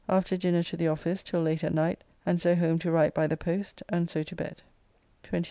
After dinner to the office till late at night, and so home to write by the post, and so to bed. 28th.